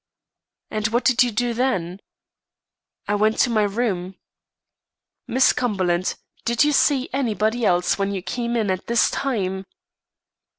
"And what did you do then?" "I went to my room." "Miss Cumberland, did you sec anybody else when you came in at this time?"